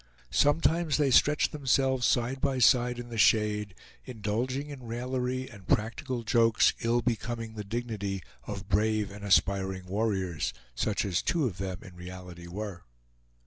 Sometimes they stretched themselves side by side in the shade, indulging in raillery and practical jokes ill becoming the dignity of brave and aspiring warriors, such as two of them in reality were.